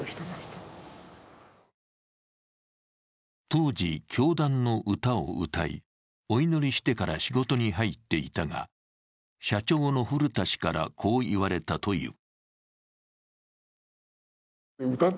当時、教団の歌を歌いお祈りしてから仕事に入っていたが、社長の古田氏からこう言われたという。